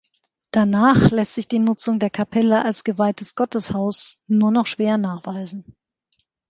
Danach lässt sich die Nutzung der Kapelle als geweihtes Gotteshaus nur noch schwer nachweisen.